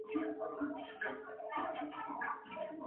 Hemen bi axioma mota bereizten dira, logikoak eta ez logikoak.